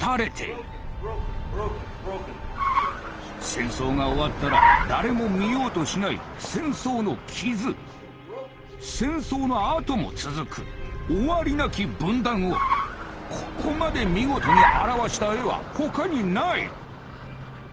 戦争が終わったら誰も見ようとしない戦争の「傷」戦争のあとも続く「終わりなき分断」をここまで見事に表した絵は他にない。